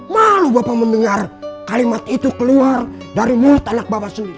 malu bapak mendengar kalimat itu keluar dari mulut anak bapak sendiri